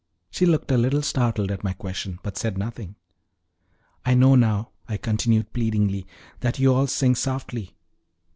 She looked a little startled at my question, but said nothing. "I know now," I continued pleadingly, "that you all sing softly.